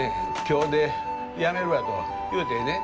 「今日でやめるわ」と言うてね